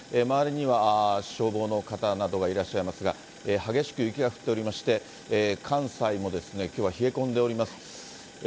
周りには消防の方などがいらっしゃいますが、激しく雪が降っておりまして、関西もきょうは冷え込んでおります。